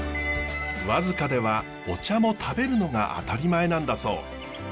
和束ではお茶も食べるのが当たり前なんだそう。